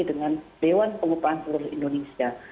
dengan dewan pengupahan seluruh indonesia